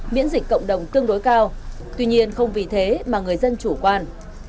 miễn dịch cộng đồng tương đối cao tuy nhiên không vì thế mà người dân chủ quan